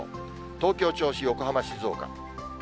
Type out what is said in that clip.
東京、銚子、横浜、静岡。